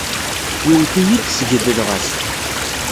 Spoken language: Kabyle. Yewwet-iyi-d, sgedleɣ-as.